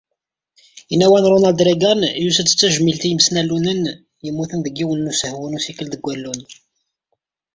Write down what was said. Inaw-a n Ronald Reagan yusa-d d tajmilt i imesnallunen yemmuten deg yiwen n usehwu n usikel deg allun.